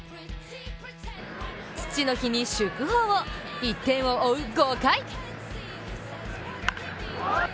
父の日に祝砲を、１点を追う５回。